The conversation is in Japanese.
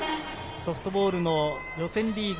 ソフトボールの予選リーグ